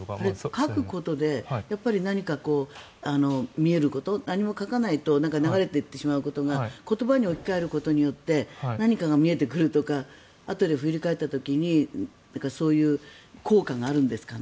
書くことで何か見えること何も書かないと流れていってしまうことが言葉に置き換えることによって何かが見えてくるとかあとで振り返った時にそういう効果があるんですかね。